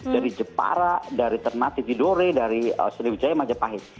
dari jepara dari ternate dore dari seljubjaya majapahit